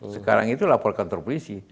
sekarang itu lapor kantor polisi